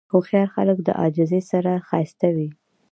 هوښیار خلک د عاجزۍ سره ښایسته وي.